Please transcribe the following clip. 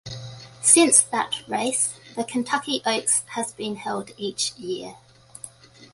Since that race the Kentucky Oaks has been held each year.